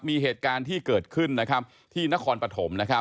มีเหตุการณ์ที่เกิดขึ้นที่นครปฐม